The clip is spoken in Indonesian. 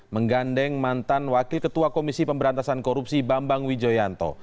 menggandeng mantan wakil ketua komisi pemberantasan korupsi bambang wijoyanto